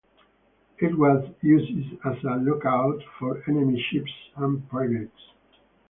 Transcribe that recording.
It was used as a lookout for enemy ships and pirates.